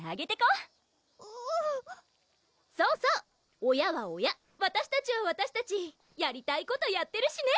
ううんそうそう親は親わたしたちはわたしたちやりたいことやってるしね！